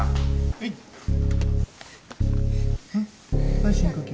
はい深呼吸。